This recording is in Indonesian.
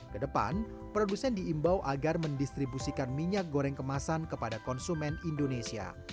kedepan produsen diimbau agar mendistribusikan minyak goreng kemasan kepada konsumen indonesia